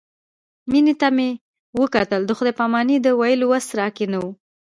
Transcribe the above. مينې ته مې وکتل د خداى پاماني د ويلو وس راکښې نه و.